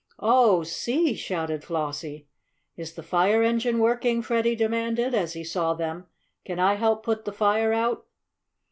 "Oh, see!" shouted Flossie. "Is the fire engine working?" Freddie demanded, as he saw them. "Can I help put the fire out?"